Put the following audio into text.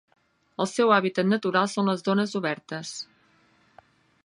El seu hàbitat natural són les zones obertes.